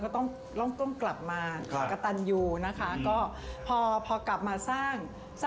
ก็เหมือนกับปู่ก็อยากให้สร้าง